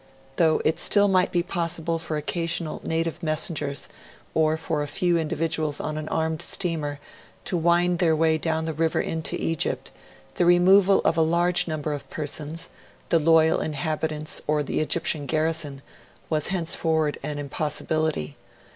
Though it still might be possible for occasional native messengers, or for a few individuals on an armed steamer, to win their way down the river into Egypt, the removal of a large number of persons the loyal inhabitants or the Egyptian garrison was henceforward an impossibility.